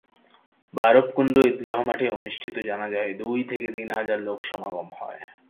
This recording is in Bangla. বাড়বকুণ্ড ঈদগাহ্ মাঠে অনুষ্ঠিত জানাজায় দুই থেকে তিন হাজার লোক সমাগম হয়।